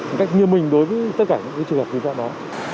một cách như mình đối với tất cả những trường hợp tình trạng đó